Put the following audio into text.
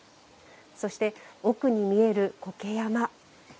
そして奥に見える苔山。